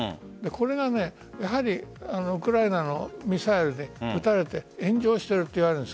これがウクライナのミサイルで撃たれて炎上しているといわれている。